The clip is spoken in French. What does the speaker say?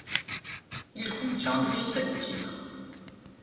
Il contient dix-sept titres.